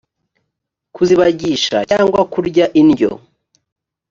kuzibagisha cyangwa kurya indyo